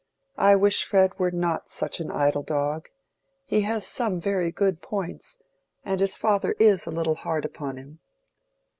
I wish Fred were not such an idle dog; he has some very good points, and his father is a little hard upon him."